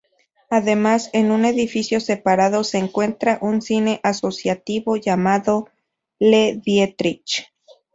Además, en un edificio separado se encuentra un cine asociativo llamado "Le Dietrich".